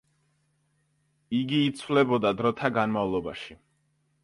იგი იცვლებოდა დროთა განმავლობაში.